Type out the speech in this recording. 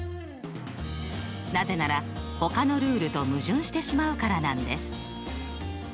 なぜならほかのルールと矛盾してしまうからなんです。